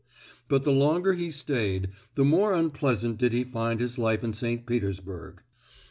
But the longer he stayed, the more unpleasant did he find his life in St. Petersburg.